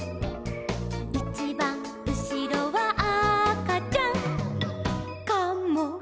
「いちばんうしろはあかちゃん」「カモかもね」